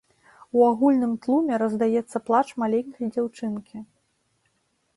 У агульным тлуме раздаецца плач маленькай дзяўчынкі.